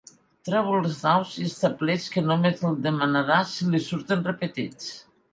Treu els daus i estableix que només el demanarà si li surten repetits.